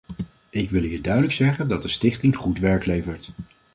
Ik wil hier duidelijk zeggen dat de stichting goed werk levert.